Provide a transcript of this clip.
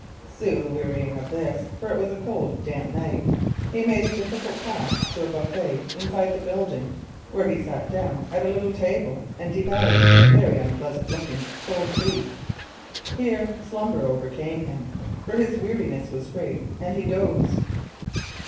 Soon wearying of this, for it was a cold damp night, he made a difficult path to a buffet inside the building, where he sat down at a little table, and devoured some very unpleasant looking cold beef. Here slumber overcame him, for his weariness was great, and he dozed.